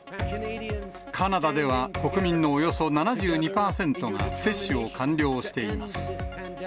カナダでは国民のおよそ７２％が接種を完了しています。